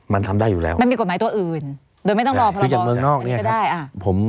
มันทำได้อยู่แล้วมันมีกฎหมายตัวอื่นโดยไม่ต้องรอภรรยาเมืองนอกเนี่ย